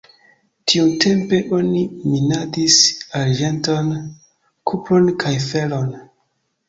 Tiutempe oni minadis arĝenton, kupron kaj feron.